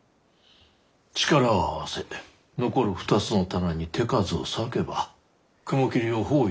力を合わせ残る２つの店に手数を割けば雲霧を包囲できると思うが。